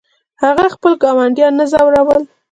هغه خپل ګاونډیان نه ځورول.